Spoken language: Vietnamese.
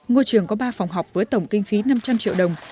ngôi trường có ba phòng học với tổng kinh phí năm trăm linh triệu đồng